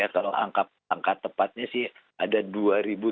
kalau angka tepatnya sih ada dua tujuh ratus lagi